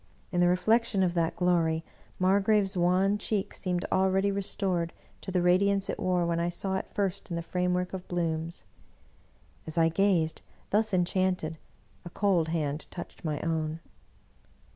In the re flection of that glory. Margrave's wan cheek seemed al ready restored to the radiance it wore when I saw it first in the framework of blooms. As I gazed, thus enchanted, a cold hand touched my own.